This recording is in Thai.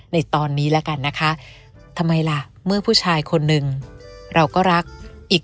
ในตอนนี้แล้วกันนะคะทำไมล่ะเมื่อผู้ชายคนนึงเราก็รักอีก